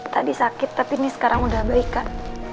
tadi sakit tapi ini sekarang udah baikan